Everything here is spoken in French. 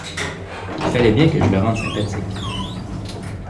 Il fallait bien que je le rende sympathique.